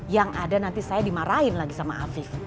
yang ada nanti saya dimarahin lagi sama afif